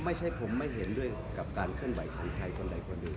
ไม่ใช่ผมไม่เห็นด้วยกับการเคลื่อนไหวของใครคนใดคนหนึ่ง